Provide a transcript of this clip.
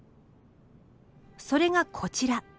それがこちら。